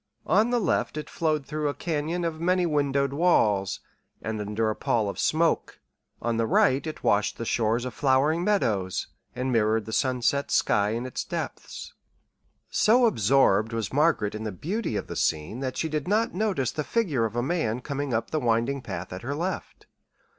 On the left it flowed through a cañon of many windowed walls, and under a pall of smoke. On the right it washed the shores of flowering meadows, and mirrored the sunset sky in its depths. So absorbed was Margaret in the beauty of the scene that she did not notice the figure of a man coming up the winding path at her left.